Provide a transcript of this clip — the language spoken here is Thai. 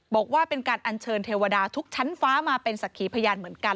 บอกว่าเป็นการอัญเชิญเทวดาทุกชั้นฟ้ามาเป็นสักขีพยานเหมือนกัน